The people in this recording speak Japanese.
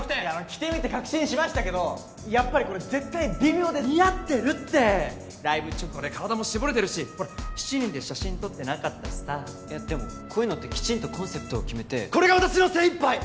着てみて確信しましたけどやっぱりこれ絶対微妙ですって似合ってるってライブ直後で体も絞れてるし７人で写真撮ってなかったしさでもこういうのってきちんとコンセプトを決めてこれが私の精いっぱい